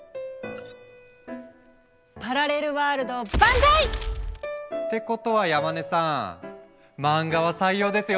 パラレルワールド万歳！ってことは山根さん漫画は採用ですよね？